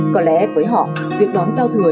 có lẽ với họ việc đón giao thừa